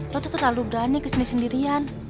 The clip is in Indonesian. lo tuh terlalu berani kesini sendirian